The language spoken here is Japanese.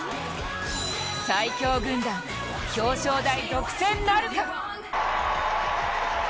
最強軍団、表彰台独占なるか。